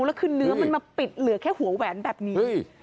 แล้วคือเนื้อมันมาปิดเหลือแค่หัวแหวนแบบนี้